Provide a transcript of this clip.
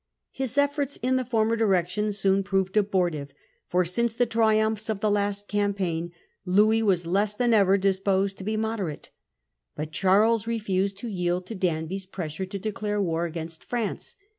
His efforts in the former direction soon proved abortive, for since the triumphs of the last cam paign Louis was less than ever disposed to be moderate. But Charles refused to yield to Danby's pressure to declare war against France.